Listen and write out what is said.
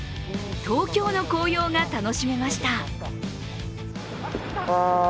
東京の紅葉が楽しめました。